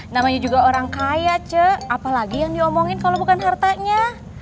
namanya juga orang kaya cek apalagi yang diomongin kalau bukan hartanya